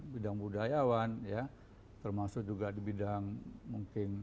bidang budayawan ya termasuk juga di bidang mungkin